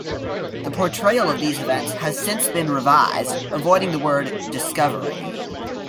The portrayal of these events has since been revised, avoiding the word discovery.